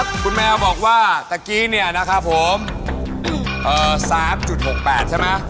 พี่แมวอย่าให้ปลายจุ้มน้ำ